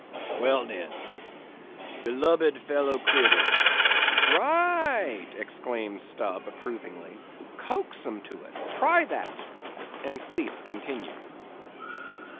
"Well, den, Belubed fellow critters:"— "Right!" exclaimed Stubb, approvingly, "coax 'em to it; try that," and Fleece continued.